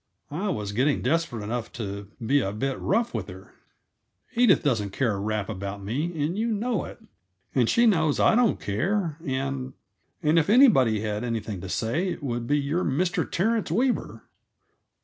I was getting desperate enough to be a bit rough with her. "Edith doesn't care a rap about me, and you know it. And she knows I don't care, and and if anybody had anything to say, it would be your Mr. Terence Weaver."